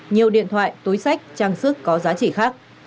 nhiều điện thoại túi sách trang sức có giá trị khác